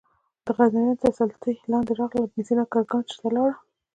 د غزنویانو تر سلطې لاندې راغلل ابن سینا ګرګانج ته ولاړ.